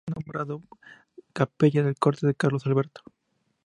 Al año siguiente fue nombrado capellán de la Corte de Carlos Alberto.